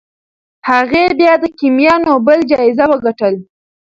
هغې بیا د کیمیا نوبل جایزه وګټله.